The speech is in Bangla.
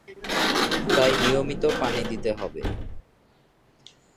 তাই নিয়মিত পানি দিতে হবে।